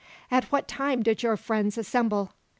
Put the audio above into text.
"At what time did your friends assemble?"